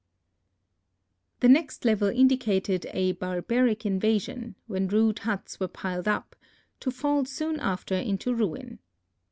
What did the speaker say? The next level indicated a barbaric invasion when rude huts were piled up, to fall soon after into ruin.